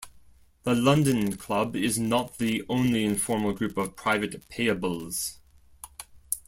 The London Club is not the only informal group of private payables.